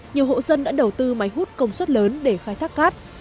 nhiều hộ dân đã đầu tư máy hút công suất lớn để khai thác cát